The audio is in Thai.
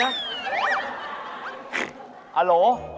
อัลโหลอ๋อ